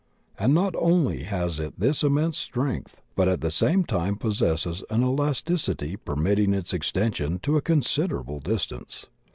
And not only has it this immense strength, but at the same time possesses an elasticity permit ting its extension to a considerable distance.